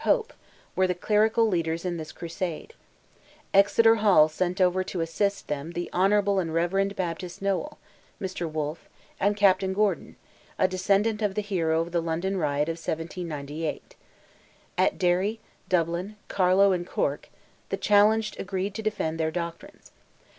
Pope, were the clerical leaders in this crusade; Exeter Hall sent over to assist them the Honourable and Reverend Baptist Noel, Mr. Wolff, and Captain Gordon, a descendant of the hero of the London riot of 1798. At Derry, Dublin, Carlow, and Cork, the challenged agreed to defend their doctrines.